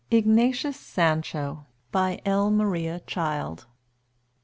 IGNATIUS SANCHO. BY L. MARIA CHILD.